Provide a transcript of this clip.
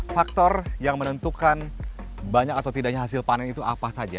faktor yang menentukan banyak atau tidaknya hasil panen itu apa saja